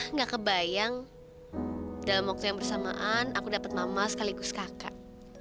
nggak kebayang dalam waktu yang bersamaan aku dapat mama sekaligus kakak